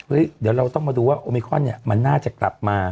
เดี๋ยวเราต้องมาดูว่าโอมิคอนเนี่ยมันน่าจะกลับมา